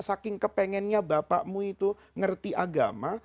saking kepengennya bapakmu itu ngerti agama